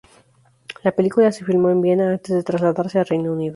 La película se filmó en Viena antes de trasladarse a Reino Unido.